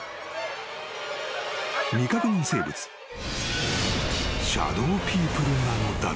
［未確認生物シャドーピープルなのだろうか？］